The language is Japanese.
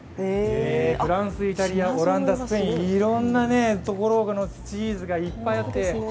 フランス、イタリア、オランダ、スペインいろんなところのチーズがいっぱいあって。